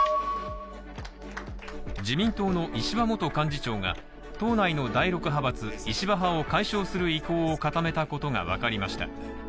自民党の石破元幹事長が党内の第６派閥石破派を解消する意向を固めたことがわかりました。